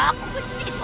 aku benci suaramu